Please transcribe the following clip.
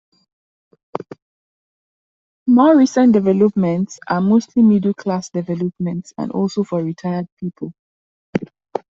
More recent developments are mostly middle-class developments, and also for retired people.